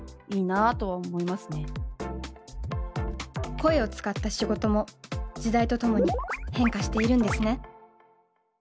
声を使った仕事も時代とともに変化しているんですね。